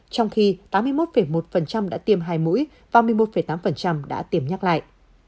trong khi tám mươi một một đã tiêm hai mũi và một mươi một tám đã tiêm nhắc lại